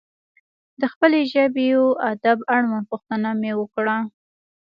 د خپلې ژبې و ادب اړوند پوښتنه مې وکړه.